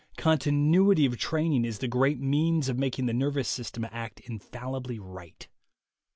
Continuity of training is the great means of making the nervous system act infallibly right."